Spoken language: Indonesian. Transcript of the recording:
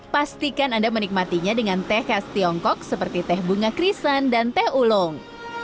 pastikan anda menikmatinya dengan teh khas tiongkok seperti teh bunga krisan dan teh ulung